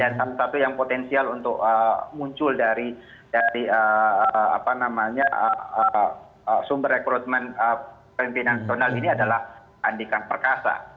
salah satu yang potensial untuk muncul dari sumber rekrutmen pemimpin nasional ini adalah andika perkasa